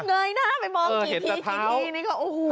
เงยหน้าไปมองกี่ทีนี่ก็โอ้โฮ